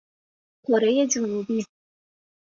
کره جنوبی